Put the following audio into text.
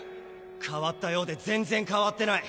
変わったようで全然変わってない。